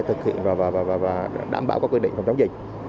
thực hiện và đảm bảo các quy định phòng chống dịch